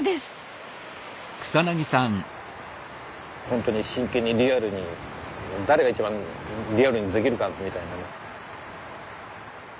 本当に真剣にリアルに誰が一番リアルにできるかみたいなね。